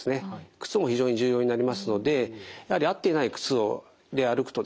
靴も非常に重要になりますのでやはり合っていない靴で歩くとですね